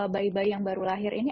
bayi bayi yang baru lahir ini